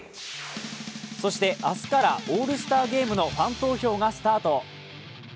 そして明日からオールスターゲームのファン投票がスタート。